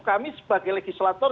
kami sebagai legislator